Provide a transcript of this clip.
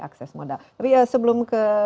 akses modal ria sebelum ke